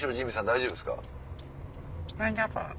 大丈夫。